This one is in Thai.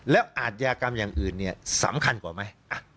แล้วอาทยากรรมอย่างอื่นเนี่ยสำคัญกว่าไหม